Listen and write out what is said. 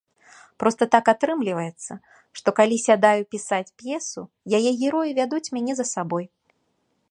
Проста так атрымліваецца, што, калі сядаю пісаць п'есу, яе героі вядуць мяне за сабой.